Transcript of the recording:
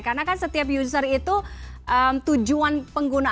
karena kan setiap user itu tujuan penggunaan